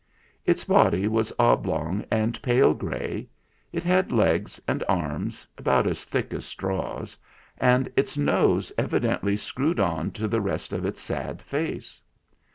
Its body was oblong and pale grey. It had legs and arms, about as thick as straws, and its nose evidently screwed on to the rest of its sad face.